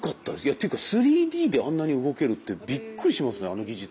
っていうか３Ｄであんなに動けるってびっくりしますねあの技術。